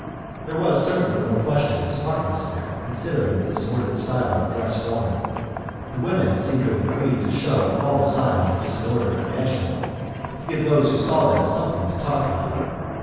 There was certainly no question of smartness there, considering the disordered style of dress worn. The women seemed to have agreed to shew all the signs of disorder imaginable, to give those who saw them something to talk about.